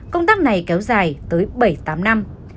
công tác này kéo dài tới bảy tám năm